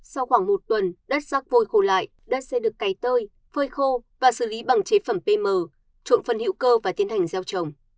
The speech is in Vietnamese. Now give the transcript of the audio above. sau khoảng một tuần đất rác vôi khô lại đất xe được cày tơi phơi khô và xử lý bằng chế phẩm pm trộn phân hữu cơ và tiến hành gieo trồng